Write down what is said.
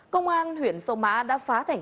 công an huyện sông má đã phá thành công